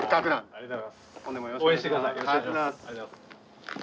ありがとうございます。